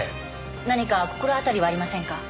何か心当たりはありませんか？